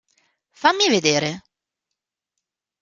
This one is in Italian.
Fammi vedere!